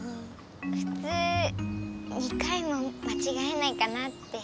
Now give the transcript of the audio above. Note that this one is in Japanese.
ふつう２回もまちがえないかなって。